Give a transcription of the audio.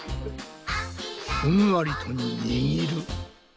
ふんわりとにぎる。